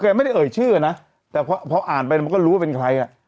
คุณแกคะเอ่ยชื่อนะแต่พอไปก็รู้ให้เป็นใครอ่ะ